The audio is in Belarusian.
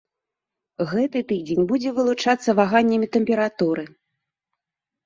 Гэты тыдзень будзе вылучацца ваганнямі тэмпературы.